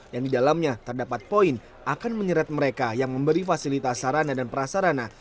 yang di dalamnya terdapat poin akan menyeret mereka yang memberi fasilitas sarana dan prasarana